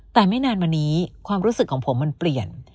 แต่ไม่นานมานี้ความรู้สึกของผมมันเปลี่ยน